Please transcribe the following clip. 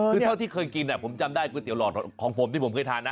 คือเท่าที่เคยกินผมจำได้ก๋วยเตี๋หลอดของผมที่ผมเคยทานนะ